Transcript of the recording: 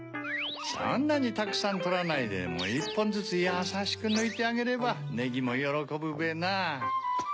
そんなにたくさんとらないで１ぽんずつやさしくぬいてあげればネギもよろこぶべな。